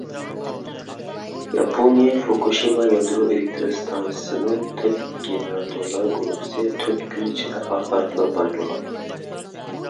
ياپونىيە فۇكۇشىما يادرو ئېلېكتىر ئىستانسىسىنىڭ تۆت گېنېراتورلار گۇرۇپپىسى تۆت كۈن ئىچىدە ئارقا-ئارقىدىن پارتلىغان.